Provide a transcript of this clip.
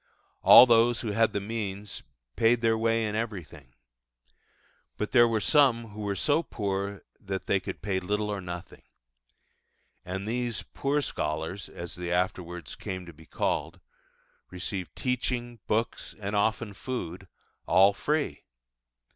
All those who had the means paid their way in everything. But there were some who were so poor that they could pay little or nothing: and these 'poor scholars' (as they afterwards came to be called) received teaching, books, and often food, all free.